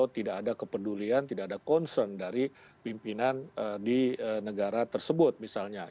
tidak ada kepedulian tidak ada concern dari pimpinan di negara tersebut misalnya